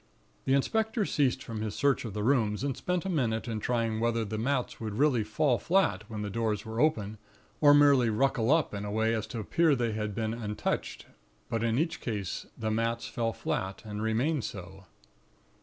"The inspector ceased from his search of the rooms, and spent a minute in trying whether the mats would really fall flat when the doors were open, or merely ruckle up in a way as to appear they had been untouched; but in each case, the mats fell flat, and remained so.